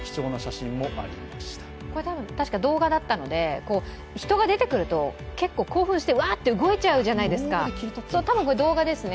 たしか動画だったので人が出てくると結構、興奮してワーッて動いちゃうじゃないですか、多分動画ですね。